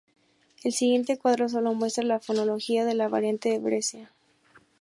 El siguiente cuadro solo muestra la fonología de la variante de Brescia.